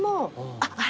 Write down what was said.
あっあれ